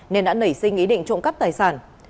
nên đã nảy sinh ý định trộm cắp tài sản